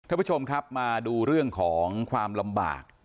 ท่านผู้ชมครับมาดูเรื่องของความลำบาก